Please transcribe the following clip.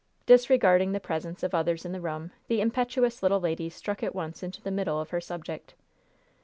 Disregarding the presence of others in the room, the impetuous little lady struck at once into the middle of her subject.